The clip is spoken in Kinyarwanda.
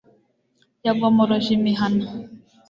Yagomoroje imihana